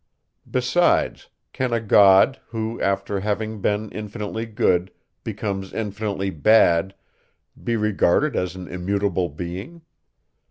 Besides, can a God, who, after having been infinitely good, becomes infinitely bad, be regarded as an immutable being?